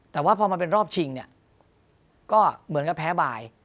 แต่ว่าพอมาเป็นรอบชิงเนี่ยก็เหมือนกับแพ้บาย